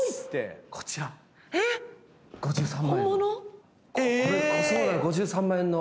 こちら、５３万円の。